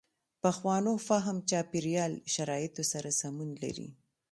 پخوانو فهم چاپېریال شرایطو سره سمون لري.